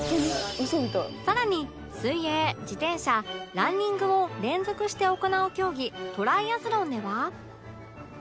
さらに水泳自転車ランニングを連続して行う競技トライアスロンでは